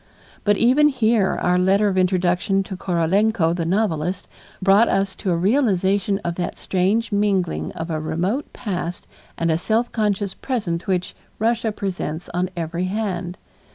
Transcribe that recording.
But even here our letter of introduction to Korolenko, the novelist, brought us to a realization of that strange mingling of a remote past and a self conscious present which Russia presents on every hand.